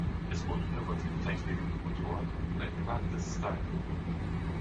Es bot innovative Technik im Motor und ein gewagtes Styling.